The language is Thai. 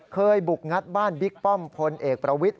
เคยบุกงัดบ้านบิ๊กป้อมพลเอกประวิทธ